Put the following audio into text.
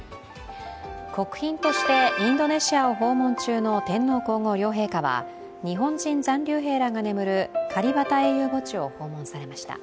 国賓としてインドネシアを訪問中の天皇皇后両陛下は日本人残留兵らが眠るカリバタ英雄基地を訪問されました。